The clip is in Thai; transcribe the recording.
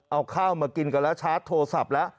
เอาข้าวมากินกันแล้วชาร์จโทรศัพท์แล้ว